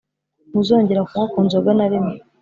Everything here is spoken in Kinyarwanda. ntuzongera kunywa ku nzoga narimwe